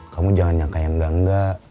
kamu jangan nyangka yang enggak enggak